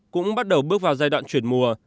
cũng bắt đầu bước vào giai đoạn chuyển mùa